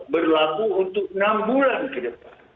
berlaku untuk enam bulan ke depan